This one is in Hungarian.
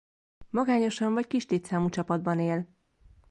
Magányosan vagy kis létszámú csapatban él.